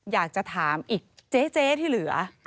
อยากจะถามอีกเจ๊ที่เหลือ